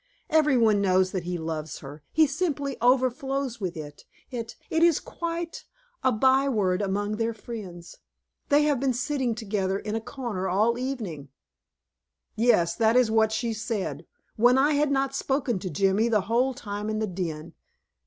"Every one knows that he loves her; he simply overflows with it. It it is quite a by word among their friends. They have been sitting together in a corner all evening." Yes, that was what she said; when I had not spoken to Jimmy the whole time in the den.